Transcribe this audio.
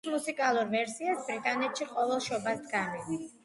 მის მუსიკალურ ვერსიას ბრიტანეთში ყოველ შობას დგამენ.